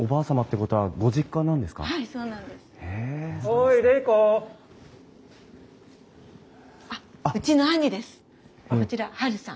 こちらハルさん。